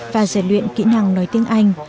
và giải luyện kỹ năng nói tiếng anh